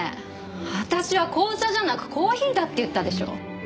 私は紅茶じゃなくコーヒーだって言ったでしょ？